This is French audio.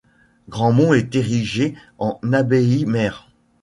Grandmont est érigé en abbaye mère.